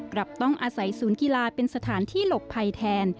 กลับต้องอาศัยศูนย์กีฬาเป็นสถานที่หลบภัยแทน